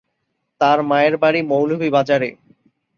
তার মায়ের বাড়ি মৌলভীবাজারে।